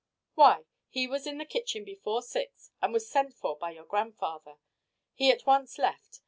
"Why! He was in the kitchen before six and was sent for by your grandfather. He at once left.